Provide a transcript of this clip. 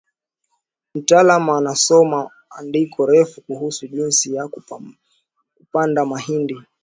mtalamu anasoma andiko refu kuhusu jinsi ya kupanda mahindi